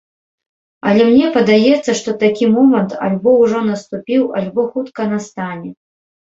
Але мне падаецца, што такі момант альбо ужо наступіў, альбо хутка настане.